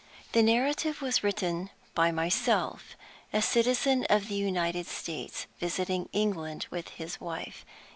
The narrative was written by myself a citizen of the United States, visiting England with his wife.